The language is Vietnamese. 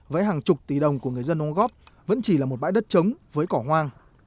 với hàng chục tỷ đồng của người dân đóng góp vẫn chỉ là một bãi đất trống với cỏ hoang